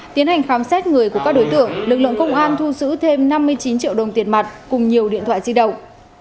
tiến hành khám xét người của các đối tượng lực lượng công an thu giữ thêm năm mươi chín triệu đồng tiền mặt cùng nhiều điện thoại di động